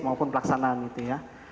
maupun pelaksanaan itu ya